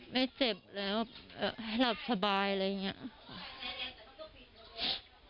ไม่เจ็บแล้วให้หลับสบายอะไรอย่างนี้